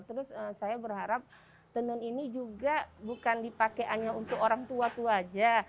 terus saya berharap tenun ini juga bukan dipakai hanya untuk orang tua tua aja